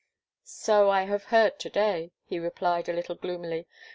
"So I have heard to day," he replied, a little gloomily.